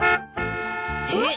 ・えっ。